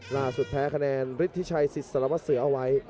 หน้าสุดแพ้คะแนนฤทธิชัยสิทธิ์สระวัสดิ์เสือเอาไว้